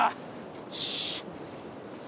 よし。